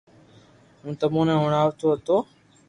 ھون تمو ني ھڻاوتو ھتو